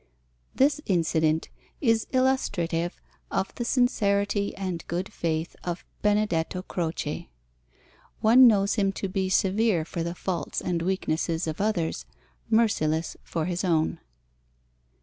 This incident is illustrative of the sincerity and good faith of Benedetto Croce. One knows him to be severe for the faults and weaknesses of others, merciless for his own.